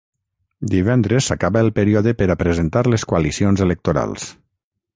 Divendres s’acaba el període per a presentar les coalicions electorals.